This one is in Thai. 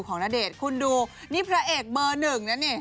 ณเดชน์คุณดูนี่พระเอกเบอร์หนึ่งนะนี่